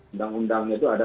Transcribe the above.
undang undang itu ada